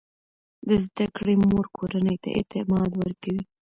د زده کړې مور کورنۍ ته اعتماد ورکوي.